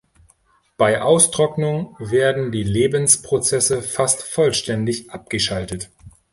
Bei Austrocknung werden die Lebensprozesse fast vollständig abgeschaltet.